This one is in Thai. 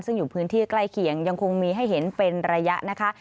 ซึ่งอยู่พื้นที่ใกล้เคียงยังคงมีให้เห็นเป็นระยะนะคะ